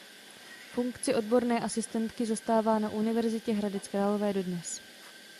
Funkci odborné asistentky zastává na Univerzitě Hradec Králové dodnes.